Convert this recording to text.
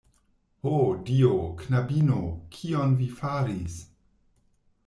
Ho Dio, knabino, kion vi faris!?